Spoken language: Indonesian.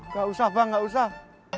gak usah bang gak usah